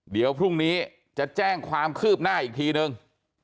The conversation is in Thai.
เดี๋ยวพรุ่งนี้จะแจ้งความคืบหน้าอีกทีนึง